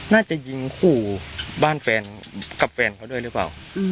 น่าจะยิงขู่บ้านแฟนกับแฟนเขาด้วยหรือเปล่า